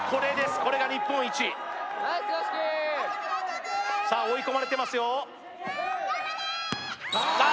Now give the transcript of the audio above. これが日本一さあ追い込まれてますよああ！